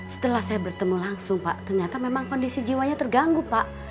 setelah saya bertemu langsung pak ternyata memang kondisi jiwanya terganggu pak